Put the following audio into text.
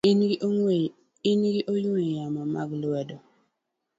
ni gi ong'we yamo mag lwedo.